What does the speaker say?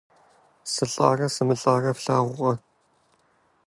СылӀарэ сымылӀарэ флъагъуркъэ?